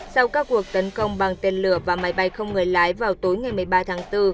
sau các cuộc tấn công bằng tên lửa và máy bay không người lái vào tối ngày một mươi ba tháng bốn